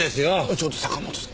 ちょっと坂本さん。